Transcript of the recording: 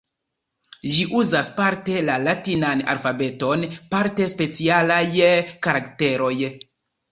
Ĝi uzas parte la latinan alfabeton, parte specialaj karakteroj.